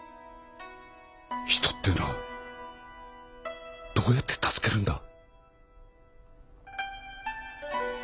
人っていうのはどうやって助けるんだ？